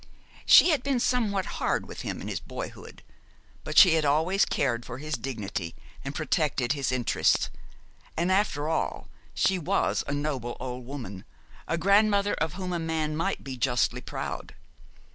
She had been somewhat hard with him in his boyhood, but she had always cared for his dignity and protected his interests: and, after all, she was a noble old woman, a grandmother of whom a man might be justly proud.